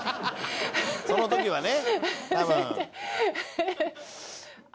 その時はね多分。